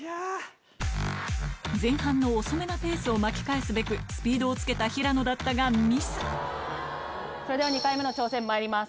前半の遅めなペースを巻き返すべくスピードをつけた平野だったがミスそれでは２回目の挑戦まいります。